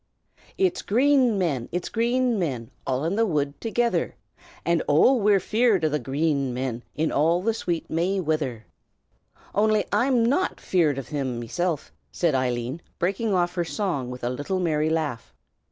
"'It's Green Men, it's Green Men, All in the wood together; And, oh! we're feared o' the Green Men In all the sweet May weather,' "ON'Y I'm not feared o' thim mesilf!" said Eileen, breaking off her song with a little merry laugh.